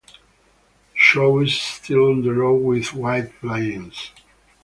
Shaw is still on the road with White Plains.